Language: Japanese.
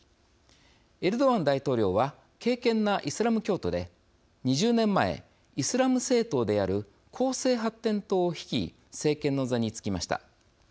エルドアン大統領は敬けんなイスラム教徒で２０年前、イスラム政党である公正発展党を率い政権の座に就きました。